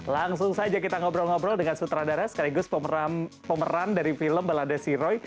langsung saja kita ngobrol ngobrol dengan sutradara sekaligus pemeran dari film balada siroy